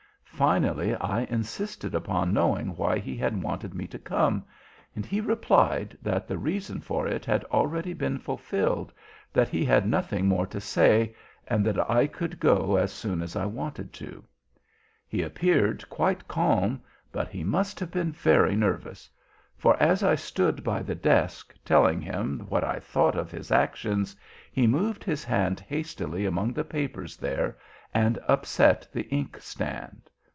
Finally I insisted upon knowing why he had wanted me to come, and he replied that the reason for it had already been fulfilled, that he had nothing more to say, and that I could go as soon as I wanted to. He appeared quite calm, but he must have been very nervous. For as I stood by the desk, telling him what I thought of his actions, he moved his hand hastily among the papers there and upset the ink stand.